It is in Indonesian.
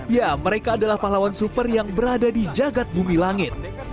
ya mereka adalah pahlawan super yang berada di jagad bumi langit